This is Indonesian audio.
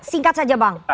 singkat saja bang